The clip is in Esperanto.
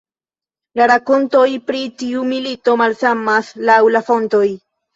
La rakontoj pri tiu milito malsamas laŭ la fontoj.